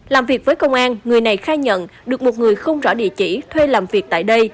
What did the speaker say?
làm việc với công an người này khai nhận được một người không rõ địa chỉ thuê làm việc tại đây